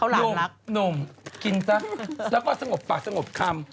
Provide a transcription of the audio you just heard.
หนุ่มกินซะแล้วก็สงบปากสงบคำ